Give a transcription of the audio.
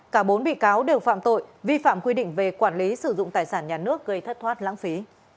cả bốn bị cáo đều phạm tội vi phạm quy định về quản lý sử dụng tài sản nhà nước gây thất thoát lãng phí